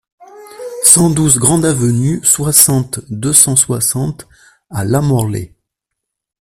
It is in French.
cent douze grande Avenue, soixante, deux cent soixante à Lamorlaye